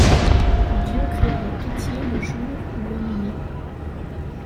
Dieu créa la pitié le : jour où l’homme est né.